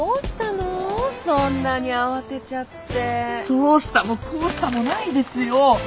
どうしたもこうしたもないですよ！